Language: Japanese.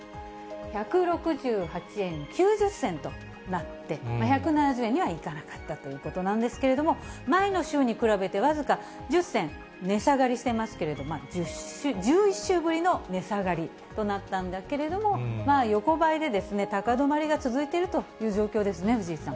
１６８円９０銭となって、１７０円にはいかなかったということなんですけれども、前の週に比べて僅か１０銭値下がりしてますけど、１１週ぶりの値下がりとなったんだけれども、横ばいで高止まりが続いているという状況ですね、藤井さん。